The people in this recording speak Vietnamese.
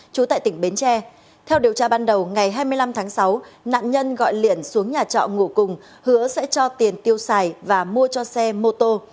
chú tại tỉnh bến tre theo điều tra ban đầu ngày hai mươi năm tháng sáu nạn nhân gọi liện xuống nhà trọ ngủ cùng hứa sẽ cho tiền tiêu xài và mua cho xe mô tô